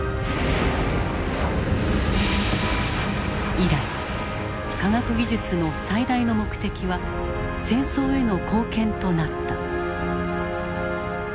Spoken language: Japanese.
以来科学技術の最大の目的は戦争への貢献となった。